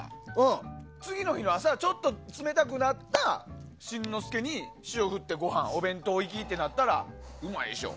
次の日の朝ちょっと冷たくなった新之助に塩を振ってお弁当行きってなったらうまいでしょ。